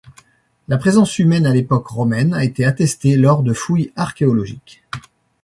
La présence humaine à l’époque romaine a été attestée lors de fouilles archéologiques.